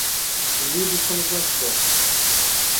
Unidos somos mais fortes